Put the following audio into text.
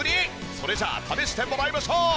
それじゃあ試してもらいましょう。